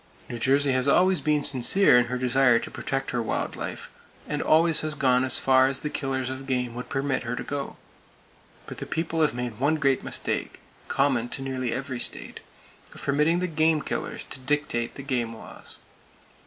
New Jersey always has been sincere in her desire to protect her wild life, and always has gone as far as the killers of game would permit her to go! But the People have made one great mistake,—common to nearly every state,—of permitting the game killers to dictate the game laws!